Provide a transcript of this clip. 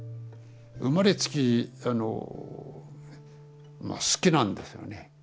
生まれつきあのまあ好きなんですよね。